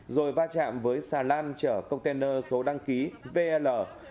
rồi va chạm với xà lan trở container số đăng ký vl một nghìn năm trăm hai mươi